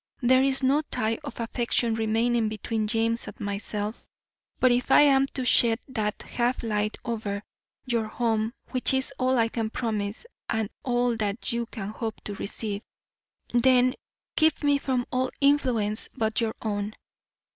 There is no tie of affection remaining between James and myself, but if I am to shed that half light over your home which is all I can promise and all that you can hope to receive, then keep me from all influence but your own.